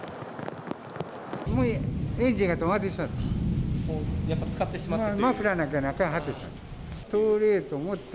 もうエンジンが止まってしまった。